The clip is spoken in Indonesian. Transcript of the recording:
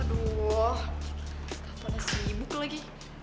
aduh tak pernah sibuk lagi